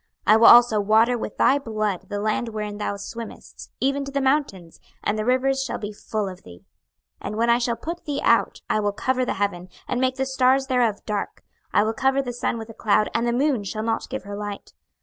26:032:006 I will also water with thy blood the land wherein thou swimmest, even to the mountains; and the rivers shall be full of thee. 26:032:007 And when I shall put thee out, I will cover the heaven, and make the stars thereof dark; I will cover the sun with a cloud, and the moon shall not give her light.